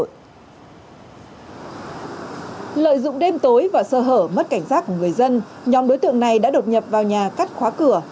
lợi dụng đêm tối và sơ hở mất cảnh giác của người dân nhóm đối tượng này đã đột nhập vào nhà cắt khóa cửa